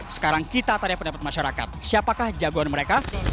sekarang kita tarik pendapat masyarakat siapakah jagoan mereka